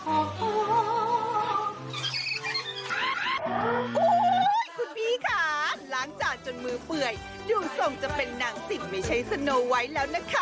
โอ้โหคุณพี่ค่ะล้างจานจนมือเปื่อยดูทรงจะเป็นนางสิบไม่ใช่สโนไว้แล้วนะคะ